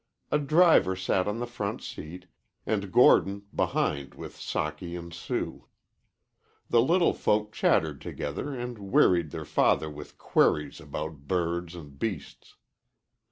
A driver sat on the front seat, and Gordon behind with Socky and Sue. The little folk chattered together and wearied their father with queries about birds and beasts.